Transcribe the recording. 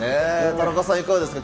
田中さん、いかがですか？